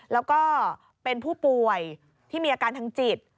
แล้วก็เป็นผู้ป่วยที่มีอาการทางจิต